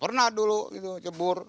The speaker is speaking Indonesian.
pernah dulu cebur